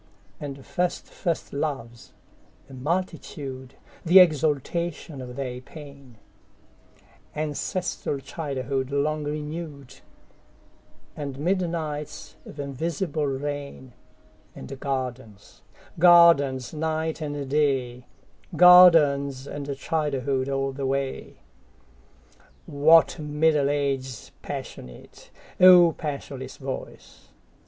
And first first loves, a multitude, The exaltation of their pain; Ancestral childhood long renewed; And midnights of invisible rain; And gardens, gardens, night and day, Gardens and childhood all the way. What Middle Ages passionate,O passionless voice!